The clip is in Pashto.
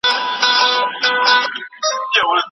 مسلکي لوستونکي تل په بازار کي نوي کتابونه لټوي.